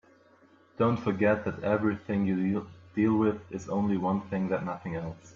Don't forget that everything you deal with is only one thing and nothing else.